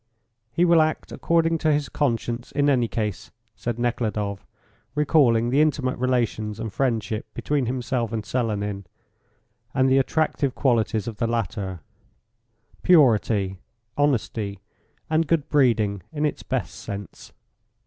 "He will act according to his conscience in any case," said Nekhludoff, recalling the intimate relations and friendship between himself and Selenin, and the attractive qualities of the latter purity, honesty, and good breeding in its best sense.